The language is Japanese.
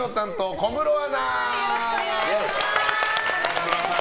よろしくお願いします。